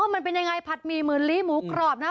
มันเป็นยังไงผัดหมี่หมื่นลิหมูกรอบนะ